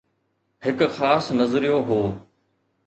هڪ خاص نظريو هو.